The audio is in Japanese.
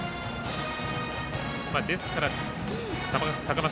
ですから、高松